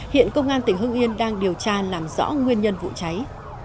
hiện công an tỉnh hưng yên đang điều tra làm rõ nguyên nhân vụ cháy